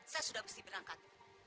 saya sudah mesti berangkat